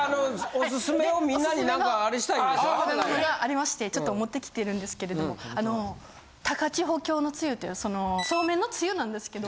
オススメの食べ物がありましてちょっと持ってきてるんですけれども「高千穂峡のつゆ」っていうそうめんのつゆなんですけど。